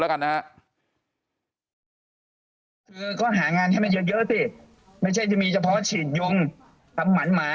แล้วนะฮะเธอก็หางานให้เยอะสิไม่ใช่มีเฉพาะฉีดยุงทำหวันหมา